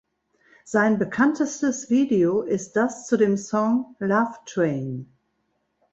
Sein bekanntestes Video ist das zu dem Song "Love Train".